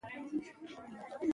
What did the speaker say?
پښتو ژبه زموږ د ټولو شریکه ده.